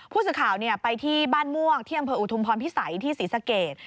ผู้สื่อข่าวไปที่บ้านมวกที่อำเภออุทุมพรพิสัยที่ศรีสเกต